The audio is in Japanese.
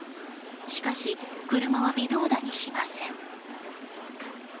しかし、車は微動だにしません。